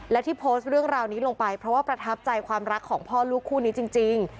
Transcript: และที่โพสต์เรื่องราวนี้ลงไปเพราะว่าประทับใจความรักของพ่อลูกคู่นี้จริง